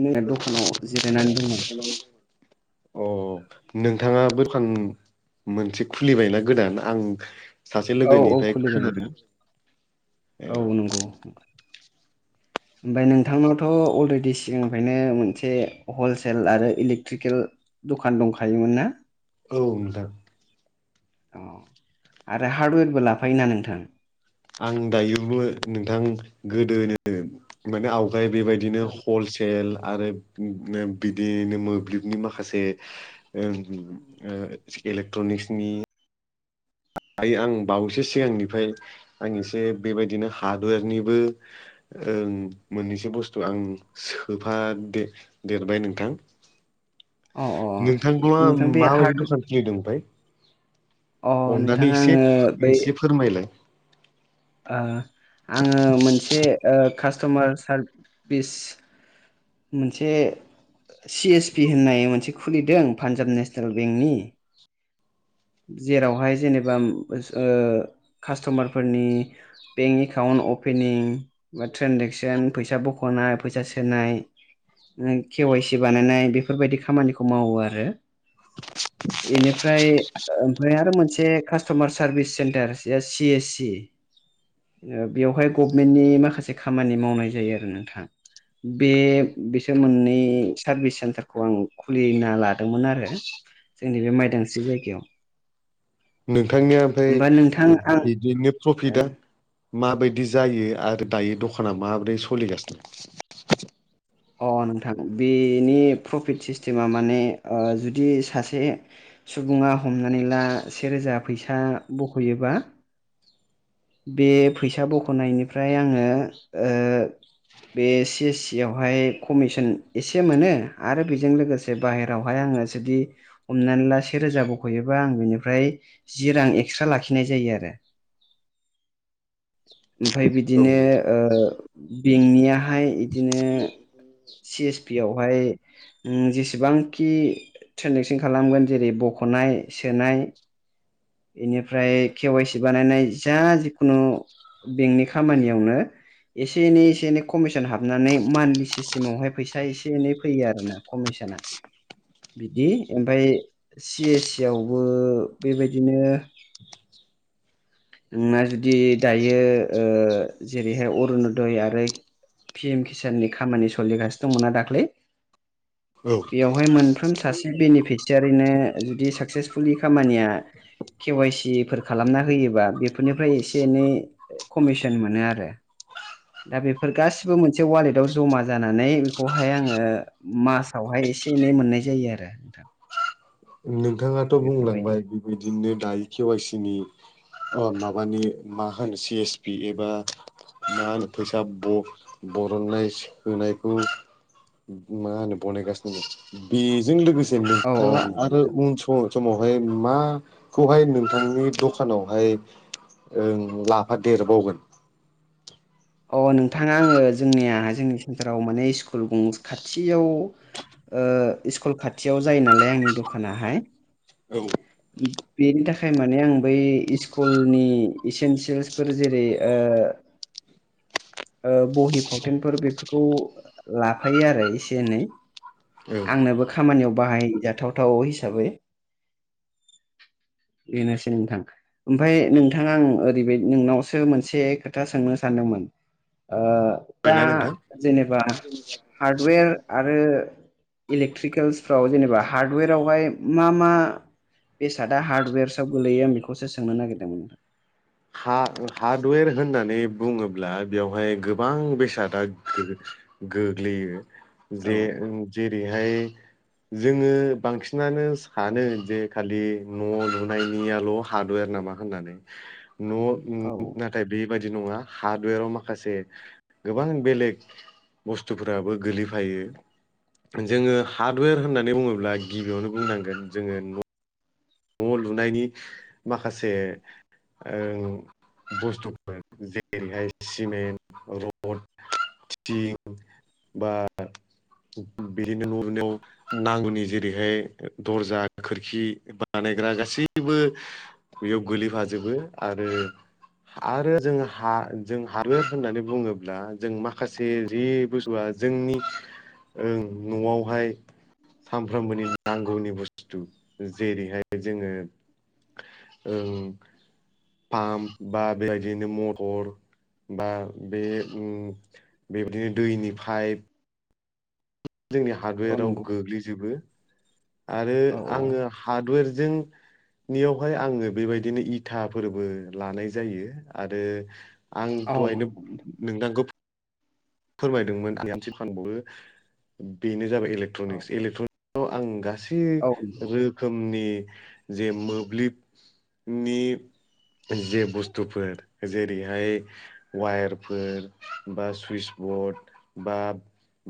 नों दखानाव जिरायनानै दङ अ नोंथाङा दखान मोनसे खुलिबायना गोदान आं सासे औ औ लोगोनिफ्राय खुलिबाय नोंथां खोनादों ए औ नंगौ ओमफाय नोंथांनावथ' अलरेडि सिगांनिफ्रायनो मोनसे हलसेल आरो इलेक्ट्रिकेल दखान दंखायोमोन ना औ नोंथां आरो हार्डवेरबो लाफायोना नोंथां आं दायो बुङो नोंथां गोदोनो माने आवगाय बेबायदिनो हलसेल आरो बिदिनो मोब्लिबनि माखासे ओं इलेक्ट्रनिक्सनि दायो आं बावैसो सिगांनिफ्राय आं एसे बेबायदिनो हार्डवेरनिबो ओं मोननैसो बुस्थु आं सोफा देरबाय नोंथां अ नोंथांखौ आं नोंथां बे माबायदि हार्ड दखान खुलिदों ओमफाय अ अननानै नोंथाङा एसे आङो बै एसे फोरमाय ओ आङो मोनसे ओ कास्ट'मार सारभिस मोनसे सि एस पि होन्नाय मोनसे खुलिदों पान्जाब नेसनेल बेंकनि जेरावहाय जेनेबा ओ कास्ट'मारफोरनि बेंक एकाउन्ट अपेनिं बा ट्रेनजेकसन फैसा बख'नाय फैसा सोनाय केवाइ सि बानायनाय बेफोरबायदि खामानिखौ मावो आरो एनिफ्राय ओमफ्राय आरो मोनसे customer service centre S C S C ओ बेवहाय गभमेन्टनि माखासे खामानि मावनाय जायो आरो नोंथां बे बिसोर मोननै सार्भिस सेन्टारखौ आं खुलिना लादोंमोन आरो जोंनि बे माइदांस्रि जायगायाव नोंथांनिया ओमफाय होमबा नोंथां आं बिदिनो प्रफिटा माबायदि जायो आरो दायो दखाना माबोरै सलिगासिनो अ नोंथां बेनि प्रफिट सिस्टेमा माने ओ जुदि सासे सुबुङा हमनानै ला से रोजा फैसा बख'योबा बे फैसा बख'नायनिफ्राय आङो ओ बे सि सि आवहाय कमिसन एसे मोनो आरो बेजों लोगोसे बाहेरायावहाय आङो जुदि हमनानै ला से रोजा बख'योबा आं बिनिफ्राय जि रां एक्सट्रा लाखिनाय जायो आरो ओमफाय औ बिदिनो नोंथां ओ बेंकनियाहाय इदिनो सि एस पि आवहाय ओम जेसेबांखि ट्रेनजेकसन खालामगोन जेरै बख'नाय सोनाय बेनिफ्राय के वाइसि बानायनाय जा जिखुनु बेंकनि खामानियावनो एसे एनै एसे एनै कमिसन हाबनानै मान्थलि सिस्टेमावहाय फैसा एसे एनै फैयो आरो ना कमिसन बिदि ओमफाय सि एस सि आवबो बेबायदि बिदिनो नोंना जुदि दायो ओ जेरैहाय अरुनदय आरो पि एम किसाननि खामानि सोलिगासिनो दंमोनना दाख्लै औ बेवहाय मोनफ्रोम सासे बेनिफिसियारिनो जुदि साक्सेसफुलिु खामानिया के वाइ सि फोर खालामना होयोबा बेफोरनिफ्राय एसे एनै कमिसन मोनो आरो दा बेफोर गासिबो मोनसे ववालेटाव जमा जानानै बेखौहाय आङो मासावहाय एसे एनै मोननाय जायो आरो नोंथां नोंथाङाथ' बेफोरबायदि बुंलांबाय बेबायदिनो दायो केवाइसि नि अ माबानि मा होनो सि एस पि एबा मा होनो फैसा बरननाय सोनायखौ मा होनो बनायगासिनो दं बेजों लोगोसे औ औ नोंथाङा नंगौ आरो नोंथां उन सम समावहाय माखौहाय नोंथांनि दखानावहाय ओं लाफा देरबावगोन अ नोंथाङा आङो जोंनिया जोंनि सेन्टाराव माने स्कुल ग खाथियाव स्कुल खाथियाव जायो नालाय आंनि दखानाहाय औ उ बेनि थाखाय माने आं बै स्कुलनि इसेन्सियेल्सफोर जेरै [inaudible] बहि फावथेनफोर बेफोरखौ लाफायो आरो एसे एनै औ आंनोबो खामानियाव बाहायजाथावथाव हिसाबै बेनोसै नोंथां ओमफाय नोंथाङा आं ओरैबायदि नोंनावसो मोनसे खोथा सोंनो सानदोंमोन दा खोनादोंना नोंथां? जेनेबा हार्डवेर आरो इलेकट्रिकेल्सफ्राव जेनेबा हार्डवेरावहाय मा मा बेसादआ हार्डवेर्सआव गोलैयो आं बेखौसो सोंनो नागिरदोंमोन ह हार्डवेर होननानै बुङोब्ला बेवहाय गोबां बेसादा गोग्लैयो नोंथां जे जेरैहाय जोङो बांसिनानो सानो जे खालि न' लुनायनियाल' हार्डवेर नामा होननानै न' औ औ नाथाय बेबायादि नङा हार्डवेराव माखासे गोबां बेलेग बुस्थुफोराबो गोलैफायो जोङो हार्डवेर होननानै बुङोब्ला गिबियावनो बुंनांगोन जोङो न' न' लुनायनि माखासे ओं बुस्थुफोर जेरैहाय सिमेन्ट रड थिं बा बिदिनो न'लुनायाव नांगौनि जेरैहाय दर्जा खोरखि बा बानायग्रा गासैबो बेयाव गोलैफाजोबो आरो आरो जों हा हार्वद होनानानै बुङोब्ला जों माखासे जि बुस्थुआ जोंनि ओं न'आवहाय सानफ्रामबोनि नांगौनि बुस्थु जेरैहाय जोङो ओं पाम्प बा बेबायदिनो मथर बा बे उम बेबादिनो दैनि पाइप जोंनि औ हादवेराव नंगौ गोग्लैजोबो आरो औ आङो हार्डवेरजों नियावहाय आङो बेबायदिनो इथा फोरबो लानाय जायो आरो आं औ दहायनो नोंथांखौ फोरमायदोंमोन आं आसे फानबावो बेनो जाबाय इलेक्ट्रनिक्स औ इलेक्ट्रनिक्साव आं गासै औ नंगौ रोखोमनि जे मोब्लिबनि जे बुस्थुफोर जेरैहाय वायारफोर बा सुइसबर्ड बा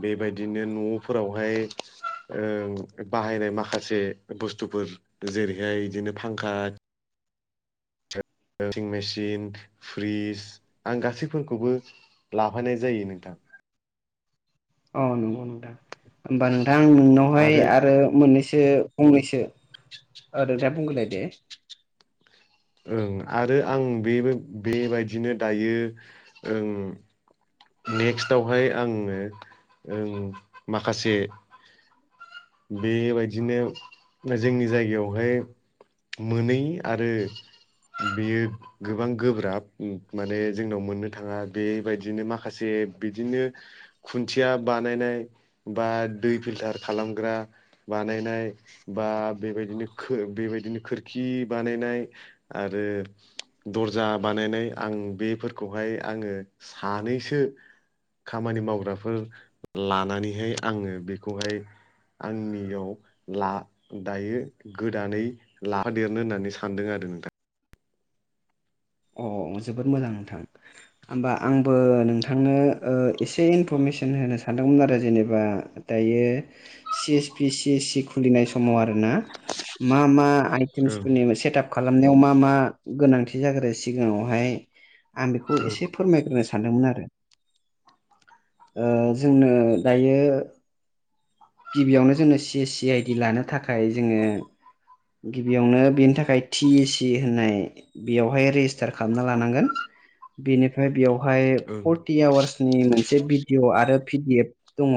बेबायदिनो न'फोरावहाय ओ बाहायनाय माखासे बुस्थुफोर जेरैहाय बिदिनो फांखा अलदिं मेसिन फ्रिज आं गासैफोरखौबो लाफानाय जायो नोंथां। अ नंगौ नोंथां होमबा नोंथां नोंनावहाय आरो मोननैसो फंनैसो ओ नोंथा बुंगोरलाय दे ओं आरो आं बेबो बेबायदिनो दायो ओं नेक्स्टआवहाय आङो ओं माखासे बेबायदिनो जोंनि जायगायावहाय मोनै आरो बियो गोबां गोब्राब माने जोंनाव मोननो थाङा बेबायदिनो माखासे बिदिनो खुन्थिया बानायनाय बा दै फिल्टार खालामग्रा बानायनाय बा बेबायदिनो खो बेबायदिनो खोरखि बानायनाय आरो दर्जा बानायनाय आं बेफोरखौहाय आङो सानैसो खामानि मावग्राफोर लानानैहाय आङो बेखौहाय आंनियाव ला दायो गोदानै लाफा देरनो होननानै सानदों आरो नोंथां। अ जोबोद मोजां नोंथां। होमबा आंबो नोंथांनो ओ एसे इनफरमेसन होनो सानदोंमोन आरो जेनेबा दायो C S P C S C खुलिनाय समाव आरोना मा मा आइटेमसफोरनि ओं सेटाप खालामनायाव मा मा गोनांथि जाग्रोयो सिगाङावहाय आं बेखौ एसे फो फोरमायग्रोनो सानदोंमोन आरो ओ जोंनो दायो गिबियावनो जोंङो सि एस सि आइ डि लानो थाखाय जोङो गिबियावनो बेनि थाखाय टि ए सि होननाय बेयावहाय रेजिस्टार खालामना लानांगोन बेनिफ्राय बेयाव हाय ओं ओं फर्टि आवार्सनि मोनसे भिडिअ आरो पि डि एफ दङ।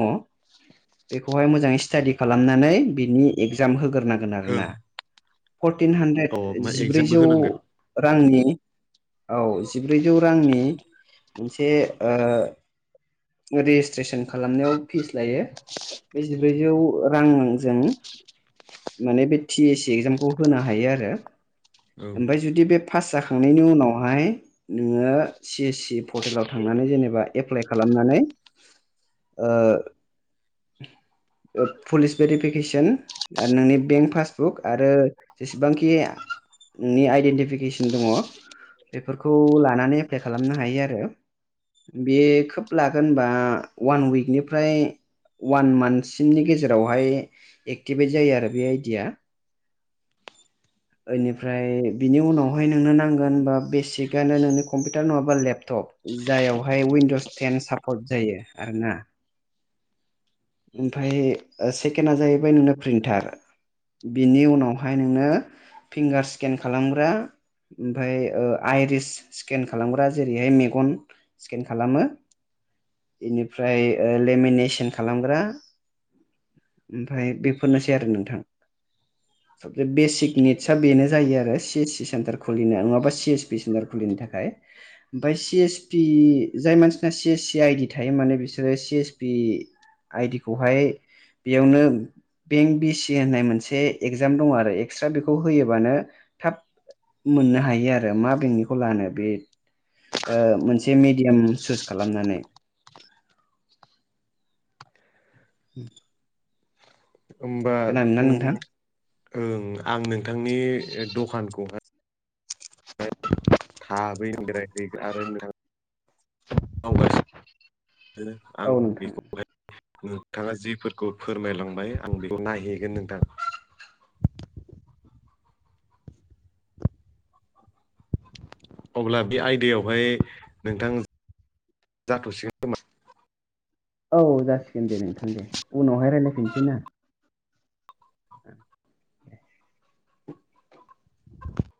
बेखौहाय मोजाङै स्टाडि खालामनानै बिनि एगजाम होग्रोनांगोन ओं आरोना फर्टिन औ हानद्रेद मा एगजामबो जिब्रैजौ होनांगोन रांनि औ जिब्रैजौ रांनि मोनसे ओ रेजिसट्रेसन खालामनायाव फिस लायो। बे जिब्रैजौ रांजों माने बे टि एस सि एगजामखौ होनो हायो आरो औ ओमफाय जुदि बे पास जाखांनायनि उनावहाय नोङो सि एस सि पर्टेलाव थांनानै जेनेबा एप्लाइ खालामनानै ओ ओ पुलिस भेरिफिकेसन ओ नोंनि बेंक पासबुक आरो जेसेबांखि नोंनि आइडेन्टिफिकेसन दङ बेफोरखौ लानानै एप्लाइ खालामनो हायो आरो बे खोब लागोन होनबा वान उइकनिफ्राय अवान मान्थ सिमनि गेजेरावहाय एक्टिभेट जायो आरो बे आइडिया ओइनिफ्राय बिनि उनावहाय नोंनो नांगोन बा बेसिकआनो नोंनि कम्पिउटार नङाबा लेपटप जाययावहाय विनडस टेन सापर्ट जायो आर ना ओमफाय ओ सेकेणडा जाहैबाय नोंना प्रिन्टार बिनि उनावहाय नोंनो फिंगार स्केन खालामग्रा ओमफाय ओ आइरिस स्केन खालामग्रा जेरैहाय मेगन स्केन खालामो इनिफ्राय ओ लेमिनेसन खालामग्रा ओमफाय बेफोरनोसै आरो नोंथां। बेसिक निडसआ बेनो जायो आरो सि एस सि सेन्टार खुलिनो नङाबा सि एस पि सेन्टार खुलिनो थाखाय। ओमफाय सि एस पि जाय मानसिना सि एस सि आइडि थायो माने बिसोरो सि एस पि आइदिखौहाय बियावनो बेंक बि सि होननाय मोनसे एगजाम दङ आरो एक्सट्रा बेखौ होयोबानो थाब मोननो हायो आरो मा बेंकनिखौ लानो बे ओ मोनसे मिडियाम सुस खालामनानै उम होमबा उम नोंथां ओं आं नोंथांनि दखानखौहाय हा बै [unintelligible] आरो नोंथां मावगासिनो आं औ नोंथां बेखौहाय नोंथाङा जिफोरखौ फोरमायलांबाय आं बेखौ नायहैगोन नोंथां अब्ला बे आयदायावहाय नोंथां जाथ'सिगोन खोमा औ जासिगोन दे नोंथां दे उनावहाय रायलायफिनसै ना [inaudible] [inaudible]